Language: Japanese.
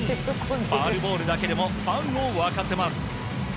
ファウルボールだけでもファンを沸かせます。